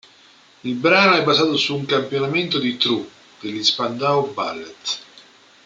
Il brano è basato su un campionamento di "True" degli Spandau Ballet.